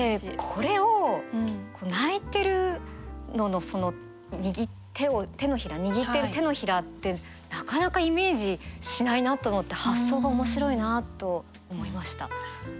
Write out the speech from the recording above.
これを泣いてるののその握ってる手のひらってなかなかイメージしないなと思って発想が面白いなと思いました。